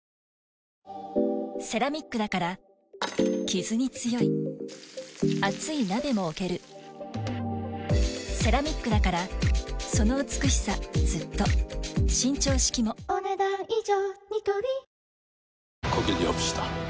セラミックだからキズに強い熱い鍋も置けるセラミックだからその美しさずっと伸長式もお、ねだん以上。